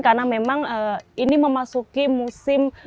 karena memang ini memasuki musim